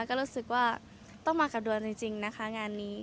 ก็รู้สึกว่าต้องมากับดวนจริงนะคะงานนี้